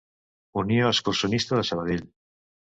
Unió Excursionista de Sabadell.